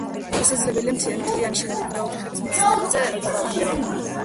შესაძლებელია მთლიანი შენობების და ოთახების მიწის ნაკვეთზე გადაადგილება.